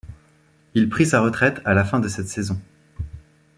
Il prit sa retraite à la fin de cette saison.